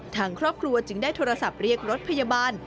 ทางครอบครัวจึงได้โทรศัพท์เรียกรถพยาบาล